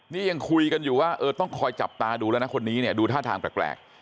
นี่ยังคุยกันอยู่ว่าเออต้องคอยจับตาดูแล้วนะคนนี้เนี่ยดูท่าทางแปลก